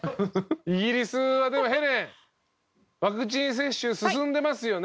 イギリスはでもヘレンワクチン接種進んでますよね？